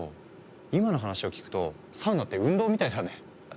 今の話を聞くとサウナって運動みたいだね。